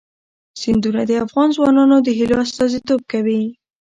سیندونه د افغان ځوانانو د هیلو استازیتوب کوي.